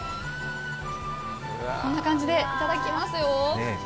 こんな感じでいただきますよ。